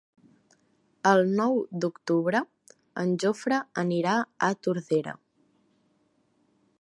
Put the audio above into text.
El nou d'octubre en Jofre anirà a Tordera.